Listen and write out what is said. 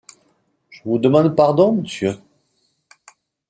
Je vous demande pardon, monsieur.